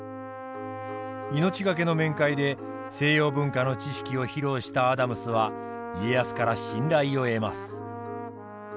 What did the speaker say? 命懸けの面会で西洋文化の知識を披露したアダムスは家康から信頼を得ます。